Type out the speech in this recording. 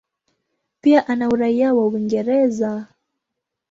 Pia ana uraia wa Uingereza.